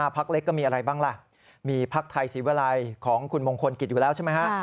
พักเล็กก็มีอะไรบ้างล่ะมีพักไทยศรีวิลัยของคุณมงคลกิจอยู่แล้วใช่ไหมฮะ